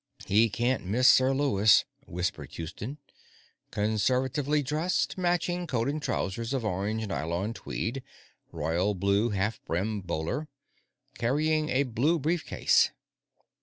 "He can't miss Sir Lewis," whispered Houston. "Conservatively dressed matching coat and trousers of orange nylon tweed royal blue half brim bowler carrying a blue brief case."